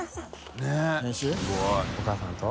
お母さんと？